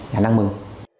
nhà năng mừng